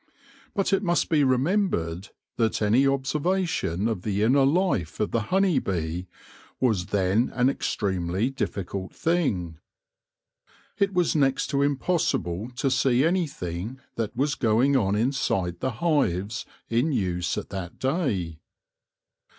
But it must be remembered that any observation of the inner life of the honey bee was then an extremely difficult thing. It was next to im possible to see anything that was going on inside the hives in use at that day.